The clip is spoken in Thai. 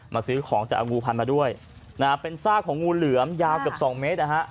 มาซื้อของแต่เอางูพันธุ์มาด้วยเป็นซากของงูเหลือมยาวเกือบ๒เมตร